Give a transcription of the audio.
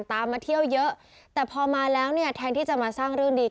มาเที่ยวเยอะแต่พอมาแล้วเนี่ยแทนที่จะมาสร้างเรื่องดี